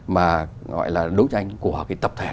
mà gọi là đối tranh của tập thể đó đối với các người chủ